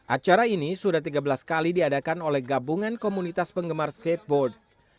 acara ini sudah tiga belas kali diadakan oleh gabungan komunitas penggemar skateboard